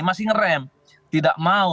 masih ngerem tidak mau